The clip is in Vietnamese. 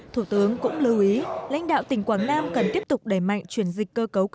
thủ tướng cũng lưu ý lãnh đạo tỉnh quảng nam cần tiếp tục đẩy mạnh chuyển dịch cơ cấu